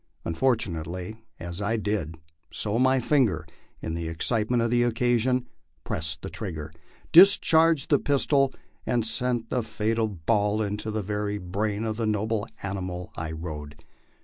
Unfortunately as I did so my finger, in the excitement of the occasion, pressed the trigger, discharged the pistol, and sent the fatal ball into the very brain of the noble animal I rode.